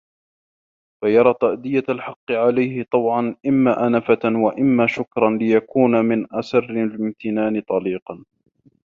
فَيَرَى تَأْدِيَةَ الْحَقِّ عَلَيْهِ طَوْعًا إمَّا أَنَفَةً وَإِمَّا شُكْرًا لِيَكُونَ مِنْ أَسْرِ الِامْتِنَانِ طَلِيقًا